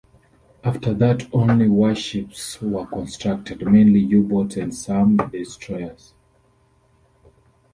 After that only warships were constructed, mainly u-boats and some destroyers.